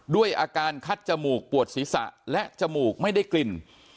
ด้วยอาการคัดจมูกปวดศีรษะและจมูกไม่ได้กลิ่น